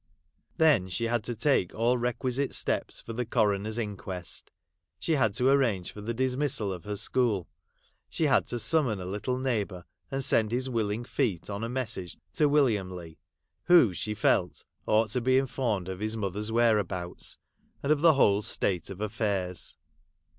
Then she had to take all requisite steps for the coroner's inquest ; she had to arrange for the dismissal of her school ; she had to summon a little neighbour, and send his willing feet on a message to William Leigh, who, she felt, ought to be informed of his mother's where 64 HOUSEHOLD WORDS. [Conducted li) abouts, and of the whole state of affairs.